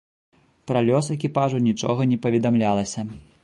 Пра лёс экіпажу нічога не паведамлялася.